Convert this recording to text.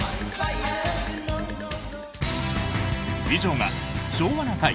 以上が「昭和な会」